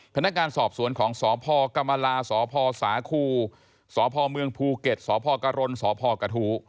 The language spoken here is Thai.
พนักงานสอบส่วนของสพกสพสคสพเมภูเก็ตสพกสพก